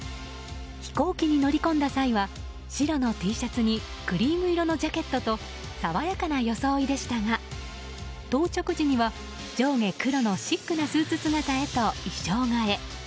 飛行機に乗り込んだ際は白のＴシャツにクリーム色のジャケットと爽やかな装いでしたが到着時には上下黒のシックなスーツ姿へと衣装替え。